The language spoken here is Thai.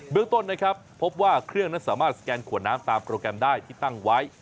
เมืองต้นนะครับพบว่าเครื่องนั้นสามารถสแกนขวดน้ำตามโปรแกรมได้ที่ตั้งไว้